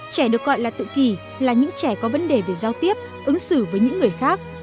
trẻ được gọi là tự kỷ là những trẻ có vấn đề về giao tiếp ứng xử với những người khác